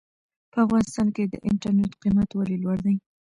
په افغانستان کې د انټرنېټ قيمت ولې لوړ دی ؟